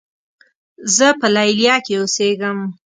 زۀ په لیلیه کې اوسېږم.